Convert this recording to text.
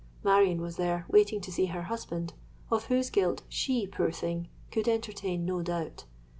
Marion was there, waiting to see her husband, of whose guilt she, poor thing! could entertain no doubt.